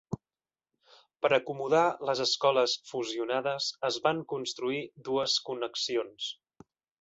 Per acomodar les escoles fusionades es van construir dues connexions.